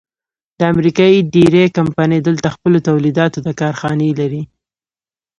د امریکې ډېرۍ کمپنۍ دلته خپلو تولیداتو ته کارخانې لري.